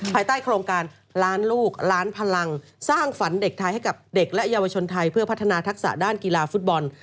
ภายใต้โครงการล้านลูกล้านพลังสร้างฝันเด็กไทยให้กับเด็กและเยาวชนไทยเพื่อพัฒนาทักษะด้านกีฬาฟุตบอล